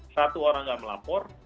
satu orang tidak melapor